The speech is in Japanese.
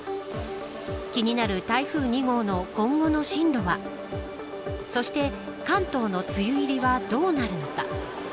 気になる台風２号の今後の進路はそして関東の梅雨入りはどうなるのか。